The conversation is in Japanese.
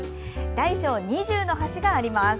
大小２０の橋があります。